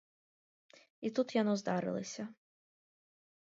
І тут яно здарылася.